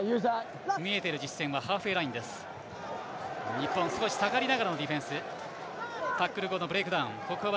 日本、少し下がりながらのディフェンス。